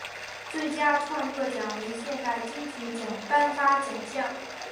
最佳创作奖为现行金曲奖颁发奖项。